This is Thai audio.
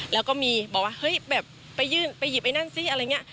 แล้วก็มีบอกว่าเฮ้ยแบบไปยื่นไปหยิบไอ้นั่นสิอะไรอย่างนี้